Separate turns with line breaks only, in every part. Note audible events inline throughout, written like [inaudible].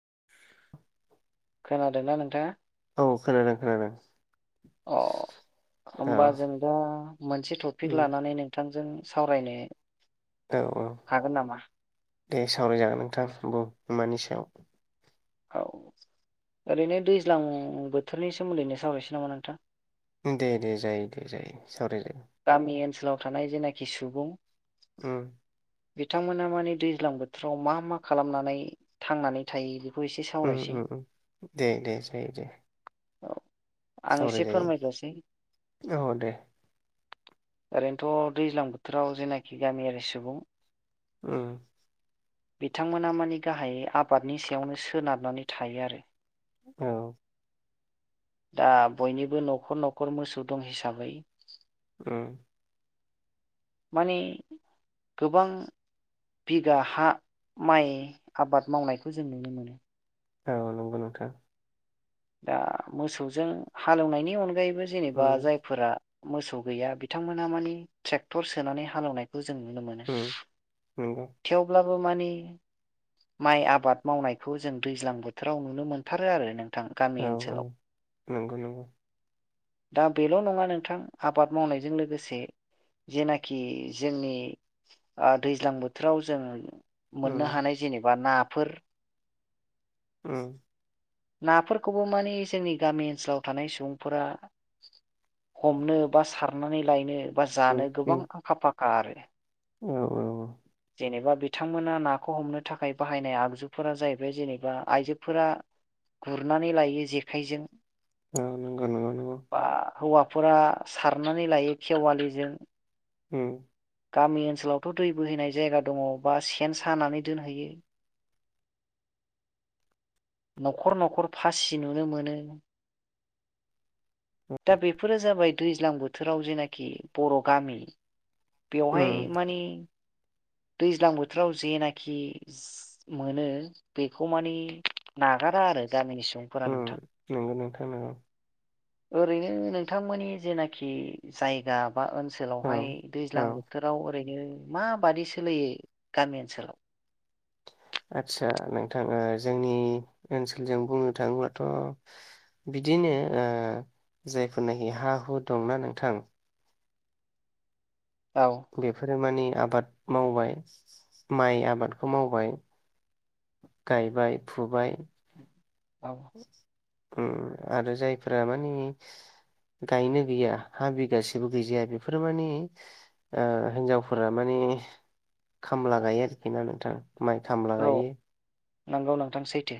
[inaudible]
खोनादोंना नोंथाङा?
औ खोनादों खोनादों।
अ।
औ
होमबा जों दा मोनसे टपिक
उम
लानानै नोंथांजों सावरायनो
औ औ
हागोन नामा?
दे सावरायजागोन नोंथां बुं मानि सायाव?
औ ओरैनो दैज्लां बोथोरनि सोमोन्दैनो सावरायनोसै नामा नोंथां?
दे दे जायो दे जायो सावराय जायो।
गामि ओनसोलाव थानाय जेनाखि सुबुं
उम।
बिथांमोना माने दैज्लां बोथोराव मा मा खालामनानै थांनानै थायो। एसे
उ-उ
सावरायसै
उम दे दे जायो जायो।
औ आं एसे फोरमायग्रोसै। [inaudible]
औ दे
ओरैनोथ' दैज्लां बोथोराव जेनाखि गामियारि सुबुं
ओम।
बिथांमोना मानि गाहायै आबादनि सायावनो सोनारनानै थायो आरो।
औ।
दा बयनिबो न'खर न'खर मोसौ दं हिसाबै
ओ।
माने गोबां बिगा हा माइ आबाद मावनायखौ जों नुनो मोनो।
औ नंगौ नोंथां।
दा मोसौजों हालेवनायनि अनगायैबो जेनेबा
उम
जायफोरा मोसौ गैया बिथांमोनहा माने ट्रेक्टर सोनानै हालेवनायखौ जों नुनो मोनो।
उम नंगौ।
थेवबो माने माइ आबाद मावनायखौ जों दैज्लां बोथोराव नुनो मोनथारो आरो नों थां गामि
औ औ
ओनसोलाव। [inaudible]
नंगौ नंगौ
दा बेल' नङा नोंथां आबाद मावनायजों लोगोसे जेनाखि जोंनि ओ दैज्लां बो थोराव जों मोननो
उम
हानाय जेनेबा नाफोर
उम।
नाफोरखौबो माने जोंनि गामि ओनसोलाव थानाय सुबुंफोरा हमनो बा सारनानै लायनो बा
उम
जानो
उम
गोबां आखा फाखा आरो।
औ औ।
जेनेबा बिथांमोना नाखौ हमनो थाखाय बाहायनाय आगजुफोरा जाहैबाय जेनेबा आइजोफोरा गुरनानै लायो जेखाइजों।
औ नंगौ नंगौ नंगौ।
बा हौवाफोरा सारनानै लायो खेवालिजों।
होम।
गामि ओनसोलावथ' दै बोहैनाय जायगा दङ बा सेन सानानै दोनहैयो। न'खर न'खर फासि नुनो मोनो। दा बेफोरो जाबाय दैज्लां बोथोराव जेनाखि बर' गामि बेवहाय
उम
माने दैज्लां बोथोराव जेनाखि मोनो बेखौ माने ना गारा आरो गामिनि सु
ओं नंगौ नोंथां नंगौ।
ओरैनो नोंथांमोननि जेनाखि जायगा बा ओनसोलावहाय
औ
दैज्लां
औ
बोथोराव ओरैनो मा बादि सोलियो गामि ओनसोलाव?
आदसा नोंथां ओ जोंनि ओनसोलजों बुंनो थाङोबथ' बिदिनो ओ जायफोरनाखि हा हु दंना नोंथां
औ।
बिसोर माने आबाद मावबाय माइ आबादखौ मावबाय। गायबाय फुबाय।
औ
ओं आरो जायफोरा माने गायनो गैया हा बिगासेबो गैजाया बेफोर माने ओ हिनजावफोरा माने खामला गायो आरोखि ना नोंथां माइ खामला
औ
गायो
नंगौ नोंथां सैथो।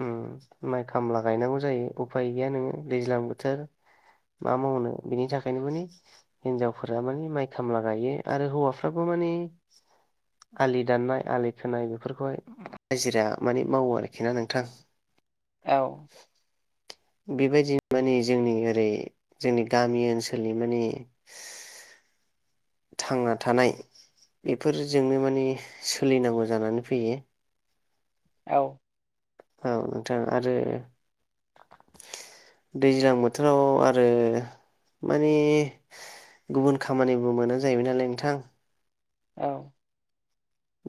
ओम माइ खामला गायनांगौ जायो उफाय गैया नोङो दैज्लां बोथोर मा मावनो बिनि थाखायनो माने हिनजावफोरा माने माइ खामला गायो आरो हौवाफ्राबो माने आलि दाननाय आलि खोनाय बेफोरखौहाय हाजिरा माने मावो आरोखि ना नों [inaudible]
औ
बेबायदिनो माने जोंनि ओरै जोंनि गामि ओनसोलनि माने
[inaudible]
थांना थानाय बेफोरजोंनो माने सोलिनांगौ जानानै फैयो
औ
औ नोंथां आरो
[inaudible]
दैज्लां बोथोराव आरो माने गुबुन खामानिबो मोना जाहैबाय नालाय नोंथां
औ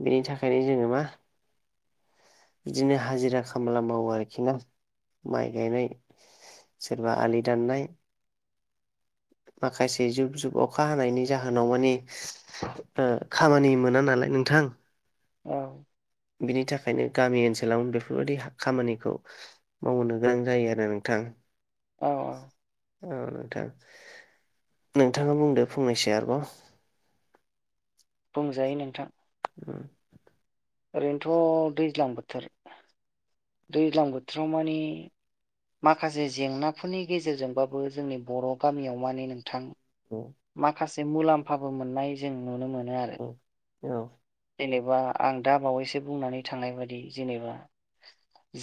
बेनि थाखायनो जोङो मा बिदिनो हाजिरा खामला मावो आरोखि ना माइ गायनाय सोरबा आलि दाननाय माखासे जुब जुब अखा हानायनि जाहोनाव माने खामानि मोना नालाय नोंथां
औ
बिनि थाखायनो गामि ओनसोलावनो बेफोरबायदि खामानिखौ मावहनो गोनां जायो आरो नोंथां
औ औ
औ नोंथां नोंथाङा बुंदो फंनैसो आरोबाव
बुंजायो नोंथां
[inaudible]
ओरैनोथ' दैज्लां बोथोर, दैज्लां बोथोराव माने माखासे जेंनाफोरनि गेजेरजोंबाबो जोंनि बर' गामियाव माने नोंथां माखासे मुलाम्फाबो मोननाय जों नुनो मो नो आरो जेनेबा आं दा बावैसो बुंनानै थांनाय बायदि जेनेबा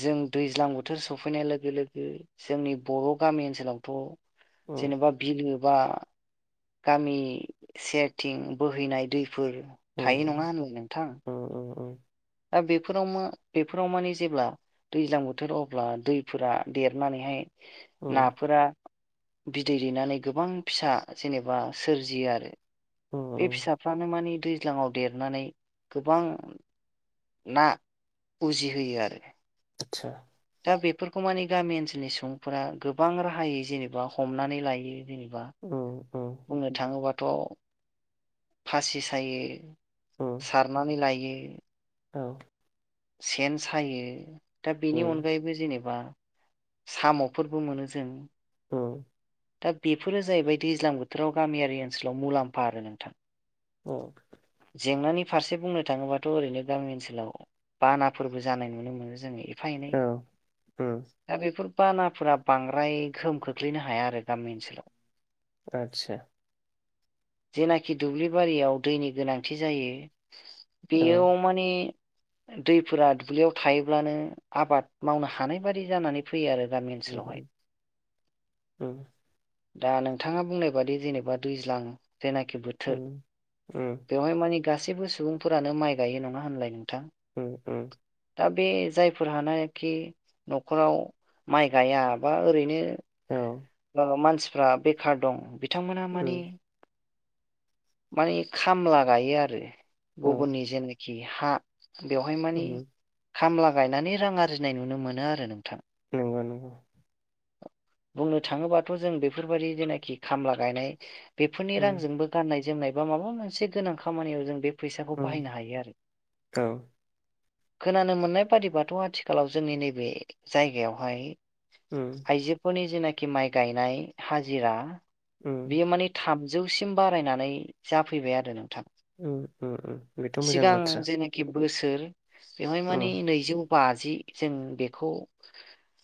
जों दैज्लां बोथोर सफैनाय लोगो लोगो जोंनि बर' गामि ओनसोलावथ' जेनेबा बिलो बा गामि सेरथिं बोहैनाय दै फोर थायो नङा होनलाय नोंथां दा बेफोराव मा बेफोराव माने जेब्ला दैज्लां बोथोर अब्ला दैफोरा देरनानैहाय
औ
नाफोरा बिदै दैनानै गोबां फिसा जेनेबा सोरजियो आरो। बे फिसाफ्रानो माने दैज्लाङाव देरनानै गोबां ना उजिहोयो आरो।
आतसा
दा बेफोरखौ माने गामि ओनसोलनि सुबुंफोरा गोबां राहायै जेनेबा हमनानै लायो जेनेबा बुंनो थाङोबाथ' फासि सायो सारनानै लाइयो
औ।
सेन सायो। दा बेनि अनगायैबो जेनेबा साम'फोरबो मोनो जों।
औ।
दा बेफोरो जाहैबाय दैज्लां बोथोराव गामियारि ओनसोलाव मुलाम्फा आरो नोंथां।
औ।
जेंनानि फारसे बुंनो थाङोबाथ' ओरैनो गामि ओनसोलाव बानाफोरबो जानाय नुनो मोनो जोङो एफा एनै। दा बेफोर बानाफोरा बांद्राय गोहोम खोख्लैनो हाया आरो गामि ओनसोलाव।
आतसा।
जेनाखि दुब्लि बारियाव दैनि गोनांथि जायो
औ
बेयाव माने दैफोरा दुब्लियाव थायोब्लानो आबाद मावनो हानाय बादि जानानै फैयो आरो गामि ओनसोलावहाय। दा नोंथाङा बुंनाय बादि जेनेबा दैज्लां जेनाखि बोथोर मानि गासैबो सुबुंफोरानो माइ गायो नङा होनलाय? नोंथां
औ औ।
दा बे जायफोरहानाखि न'खराव माइ गाया बा ओरैनो मानसिफ्रा बेखार दं बिथांमोना माने माने खामला गायो आरो।
औ
गुबुननि जेनाखि हा बेवहाय मानि
उम
खामला गायनानै रां आरजिनाय नुनो मोनो आरो नोंथां।
नंगौ नंगौ।
बुंनो थाङोबाथ' जों बेफोरबायदि जेनाखि खामला गायनाय बेफोरनि
उम
रांजोंबो गाननाय जोमनाय बा माबा मोनसे गोनां खामानियाव जों बे फैसाखौ
उम
बाहायनो हायो आरो।
औ
खोनानो मोननाय बादिबाथ' आथिखालाव जोंनि नैबे जायगायावहाय
उम
आइजोफोरनि जेनाखि माइ गायनाय हाजिरा
उम
बेयो मानि थाम जौसिम बारायनानै जाफैबाय आरो नों
औ ओ ओ बेथ' मोजां बाथ्रा।
जेनाखि बोसोर बेवहाय मानि
उम
नैजौ बाजि जों बेखौ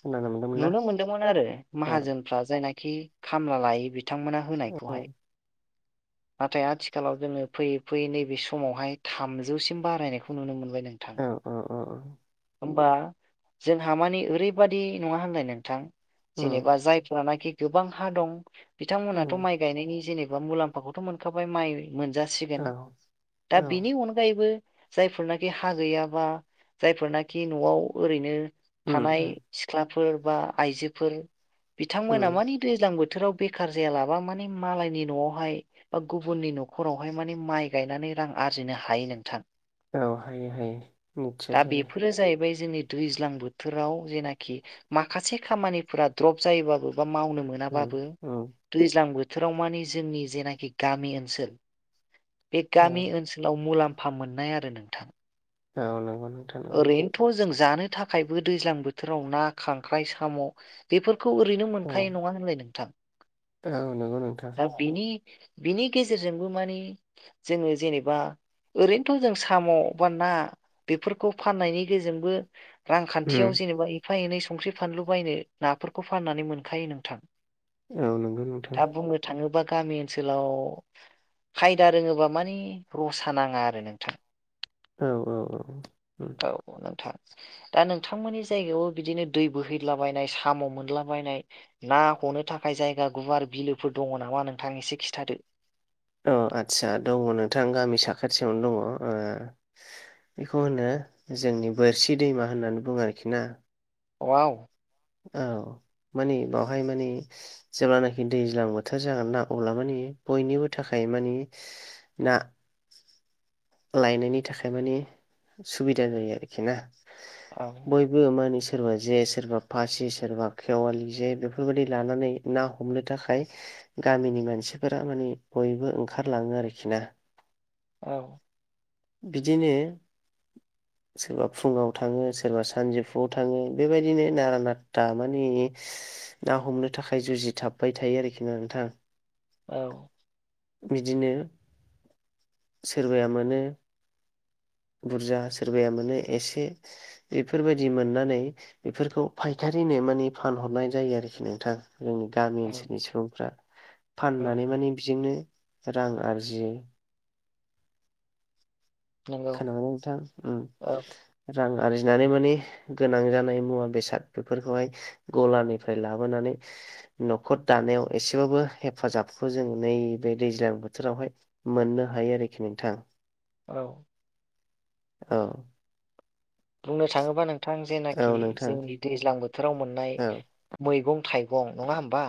खोनानो मोनदोंमोन ना
नुनो मोनदोंमोन आरो
औ
माहाजोनफ्रा जायनाखि खामला लायो बि थांमोना
औ
होनायखौहाय नाथाय आथिखालाव जोङो फैयै फैयै नैबे समावहाय थामजौसिम बारायनायखौ नुनो मोनबाय। नोंथां
औ औ औ औ
होमबा जोंहा मानि ओरैबादि नङा होनलाय नोंथां
उम
जेनेबा जायफ्रानाखि गोबां हा दं बिथांमोनाथ'
उम
माइ गायनायनि जेनेबा मुलाम्फाखौथ' मोनखाबाय माइ मोनजा
औ
सेम दा
औ
बेनि अनगायैबो जायफोरनाखि हा गैयाबा जायफोरनाखि न'आव ओरैनो
उम
थानाय
उम
सिख्लाफोर बा आइजोफोर बिथांमोना
उम
मानि दैज्लां बो बोथोराव बेखार जायालाबा मानि मालायनि न'आवहाय बा गुबुननि न'खरावहाय माने माइ गायनानै रां आरजिनो हायो नोंथां
औ हायो हायो नितसय
दा
हायो
बेफोरो जाहैबाय जोंनि दैज्लां बोथोराव जेनाखि माखासे खामानिफोरा द्रप जायोबाबो बा मावनो
उम
मोनाबाबो
उम
दैज्लां बोथ बोथोराव मानि जोंनि जेनाखि गामि ओनसोल बे
औ
गामि ओनसोलाव मुलाम फा मोननाय आरो नोंथां
औ नोंगौ नोंथां नोंगौ
ओरैनोथ' जों जानो थाखायबो दैज्लां बोथोराव ना खांख्राइ साम' बेफोर खौ ओरैनो
औ
मोनखायो नङा होनलाय नोंथां
औ नंगौ नोंथां
दा बिनि बिनि गेजेरजोंबो मानि जोङो जेनेबा ओरैनोथ' जों साम' बा ना बेफोरखौ फाननायनि गेजेंबो रांखान्थियाव
उम
जेनेबा एफा एनै स ख्रै फानलु बायनो नाफोरखौ फाननानै मोनखायो नोंथां
औ नंगौ नोंथां
दा बुंनो थाङोबा गामि ओनसोलाव खायदा रोङोबा मानि रसा नाङा आरो नोंथां
औ औ औ ओ
औ [inaudible] दा नोंथांमोननि जायगायावबो बिदिनो दै बोहैलाबायनाय साम' मोनलाबायनाय ना हनो थाखाय जायगा गुवार बिलोफोर दङ नामा नोंथां एसे खिथादो
औ आदसा दङ नोंथां गामि साखाथियावनो दङ ओ बेखौ होनो जोंनि बोरसि दैमा होननानै बुङो आरोखि ना
वाव
औ माने बावहाय माने जेब्लानाखि दैज्लां बोथोर जागोन ना अब्ला माने बयनिबो थाखाय माने ना
[inaudible]
लायनायनि थाखाय माने सुबिदा जायो आरोखि ना
औ
बयबो मानिस सोरबा जे सोरबा फासि सोरबा खेवालि जे बेफोरबायदि लानानै ना हमनो थाखाय गामिनि मानसिफोरा माने बयबो ओंखारलाङो आरोखि ना
औ
बिदिनो
[inaudible]
सोरबा फुङाव थाङो सोरबा सानजौफुआव थाङो बेबायदिनो नारा नाथा माने ना हमनो थाखाय जुजिथाबबाय थायो आरोखि ना नोंथां
औ
बिदिनो सोरबाया मानो
[inaudible]
बुरजा सोरबाया मोनो एसे बेफोरबायदि मोननानै बेफोरखौ फायखा रिनो माने फानहरनाय जायो आरोखि नोंथां जोंनि गामि
औ
ओनसोलनि सुबुंफ्रा फाननानै
औ
माने बेजोंनो रां आरजियो
नंगौ
खोनादों ना नोंथां
औ
उम रां आरजिनानै माने गोनां जानाय मुवा बेसाद बेफोरखौहाय गलानिफ्राय लाबोनानै न'खर दानायाव एसेबाबो हेफाजाबखौ जों नैबे दैज्लां बोथोरावहाय मोननो हायो आरोखि नोंथां
औ
औ
बुंनो थाङोबा नोंथां जेनाखि
औ नोंथां
जोंनि दैज्लां बोथोराव मोननाय
औ
मैगं थाइ गं नङा हबा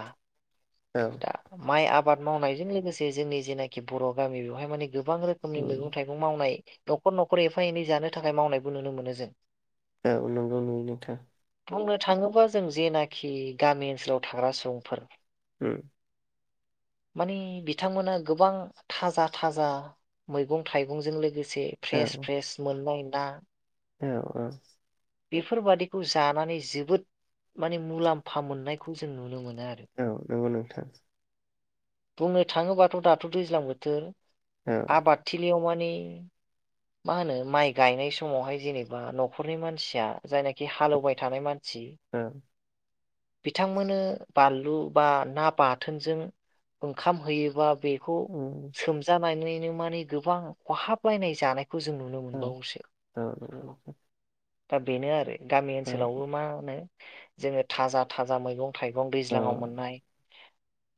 औ
दा माइ आब बाद मावनायजों लोगोसे जोंनि जेनाखि बर' गामि बेवहाय माने गोबां रोखोमनि मैगं
उम
थाइगं मावनाय न'खर न'खर एफा एनै जानो थाखाय मावनायबो नुनो मोनो जों
औ नंगौ नुयो नोंथां
बुंनो थाङोबा जों जेनाखि गामि ओनसोलाव थाग्रा सुबुंफोर
ओम
माने बिथांमोना गोबां थाजा थाजा मैगं थाइगंजों लोगो से
औ
फ्रेस फ्रेस मोननाय ना
औ औ
बेफोरबादिखौ जानानै जोबोद माने मुलाम्फा मोननायखौ जों नुनो मोनो आरो
औ नंगौ नोंथां
बुंनो थाङोबाथ' दाथ' दैज्लां बोथोर
औ
आबादथिलियाव माने मा होनो माइ गायनाय समावहाय जेनेबा न'खरनि मानसिया जायनाखि हालेवबाय थानाय मानसि
औ
बिथांमोननो बानलु बा ना बाथोनजों ओंखाम होयोबा बेखौ
उम
सोमजानानैनो माने गोबां खहाबलायनाय जानाय खौ जों नुनो
औ
मोनबावोसो
औ नंगौ
दा बेनो आरो गामि
औ
ओनसोलावबो मा होनो जोङो थाजा थाजा मैगं थाइगं
औ
दैज्लांआव मोननाय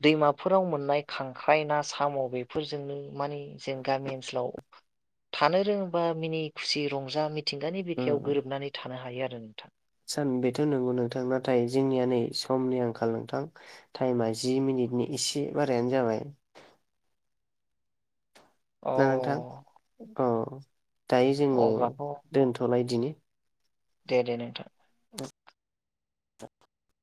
दैमाफोराव मोननाय खांख्राइ ना साम' बेफोरजोंनो माने जों गामि ओनसोलाव। [inaudible] थानो रोङोबा मिनि खुसि रंजा मिथिंगानि बिखायाव गोरोबनानै थानो हायो आरो नोंथां
सा बेथ' नंगौ नोंथां नाथाय जोंनिया नै समनि आंखाल नोंथां टाइमा जि मिनिट बेनि इसे बारायानो जाबाय
[inaudible] अ
ना नोंथां अ दायो जोङो
अब्लाथ'
दोनथ'लायदिनि
दे दे नोंथां
[unintelligible]